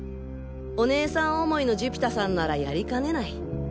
お姉さん思いの寿飛太さんならやりかねない。